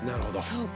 そうか。